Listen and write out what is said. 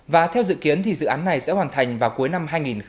và theo dự kiến thì dự án này sẽ hoàn thành vào cuối năm hai nghìn một mươi năm